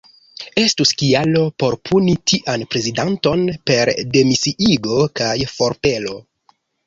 Estus kialo por puni tian prezidanton per demisiigo kaj forpelo.